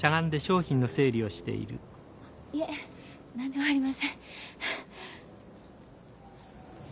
いえ何でもありません。